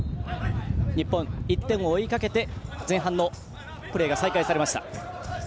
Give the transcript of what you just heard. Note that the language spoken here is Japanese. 日本、１点を追いかけて前半のプレーが再開されました。